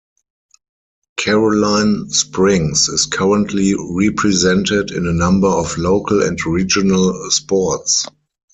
Caroline Springs is currently represented in a number of local and regional sports.